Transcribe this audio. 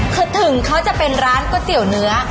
คือถึงเขาจะเป็นร้านก๋วยเตี๋ยวเนื้อ